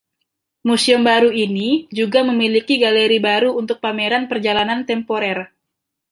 Museum baru ini juga memiliki galeri baru untuk pameran perjalanan temporer.